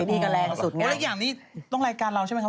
อีกอย่างนี้ต้องรายการเราใช่ไหมครับ